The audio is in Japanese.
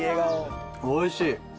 おいしい。